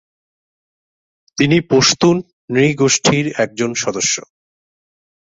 তিনি পশতুন নৃগোষ্ঠীর একজন সদস্য।